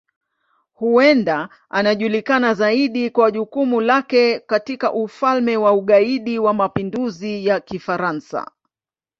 Huenda anajulikana zaidi kwa jukumu lake katika Ufalme wa Ugaidi wa Mapinduzi ya Kifaransa.